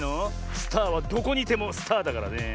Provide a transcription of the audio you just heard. スターはどこにいてもスターだからねえ。